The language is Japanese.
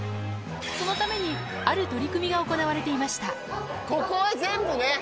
そのために、ある取り組みが行わここは全部ね。